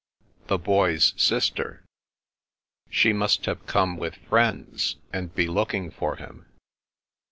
The Boy's sister 1 She must have come, with friends, and be looking for him.